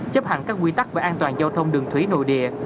chấp hành các quy tắc về an toàn giao thông đường thủy nội địa